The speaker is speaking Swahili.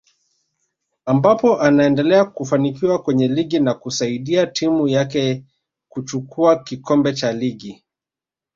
ambapo anaendelea kufanikiwa kwenye ligi na kusaidia timu yake kuchukua kikombe cha ligi